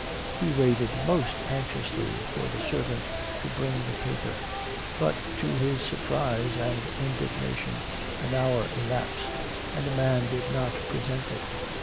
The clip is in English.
He waited most anxiously for the servant to bring the paper; but to his surprise and indignation, an hour elapsed, and the man did not present it.